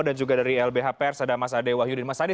dan juga dari lbh pers ada mas ade wahyu dan mas hadi